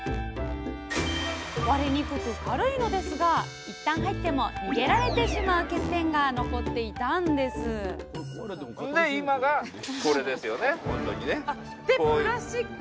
割れにくく軽いのですがいったん入っても逃げられてしまう欠点が残っていたんですで今がこれですよね。